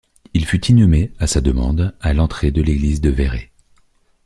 Il fut inhumé, à sa demande, à l'entrée de l'église de Vairé.